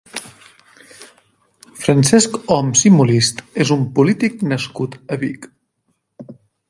Francesc Homs i Molist és un polític nascut a Vic.